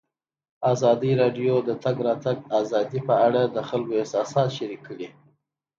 ازادي راډیو د د تګ راتګ ازادي په اړه د خلکو احساسات شریک کړي.